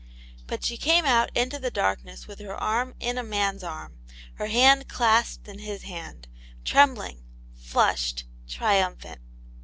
But she came out into the darkness with her arm in a man's arm, her hand clasped in his hand, trem bling, flushed, triumphant.